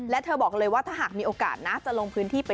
และเธอบอกเลยว่าถ้าหากมีโอกาสนะ